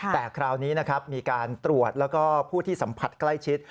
แต่คราวนี้นะครับมีการตรวจแล้วก็ผู้ที่สัมผัสใกล้ชิด